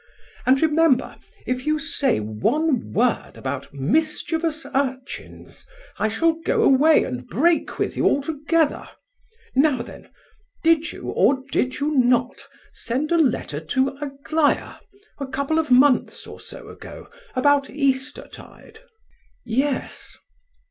And remember, if you say, one word about 'mischievous urchins,' I shall go away and break with you altogether. Now then, did you, or did you not, send a letter to Aglaya, a couple of months or so ago, about Easter tide?" "Yes!"